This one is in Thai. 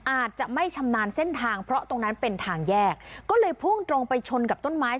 อาจจะไม่ชำนาญเส้นทางเพราะตรงนั้นเป็นทางแยกก็เลยพุ่งตรงไปชนกับต้นไม้